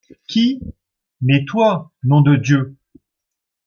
Qui ? mais toi, nom de Dieu !…